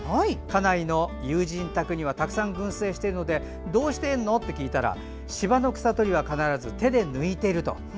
家内の友人宅にはたくさん群生しているのでどうしてるのと聞いたら芝の草取りは必ず手で抜いてると。